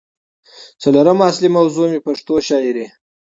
څلورمه اصلي موضوع مې پښتو شاعرۍ